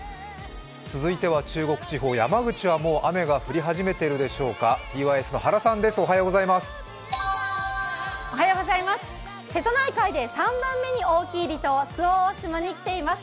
続いては中国地方山口はもう雨が降り始めているでしょうか瀬戸内海で３番目に大きい離島・周防大島に来ています。